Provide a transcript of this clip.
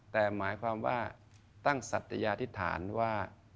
แต่หมายความว่าตั้งสัตยาธิษฐานว่า